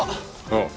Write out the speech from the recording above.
ああ。